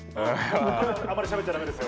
あんまりしゃべっちゃダメですよ。